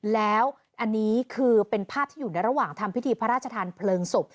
แล้วอันนี้คือเป็นภาพที่อยู่ในระหว่างทำพิธีพระราชทานเพลิงศพ